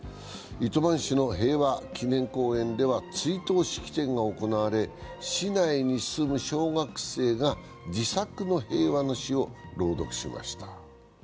糸満市の平和祈念公園では追悼式典が行われ市内に住む小学生が自作の平和の詩を朗読しました。